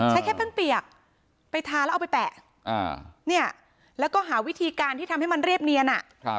แค่เพิ่งเปียกไปทาแล้วเอาไปแปะแล้วก็หาวิธีการที่ทำให้มันเรียบเนียน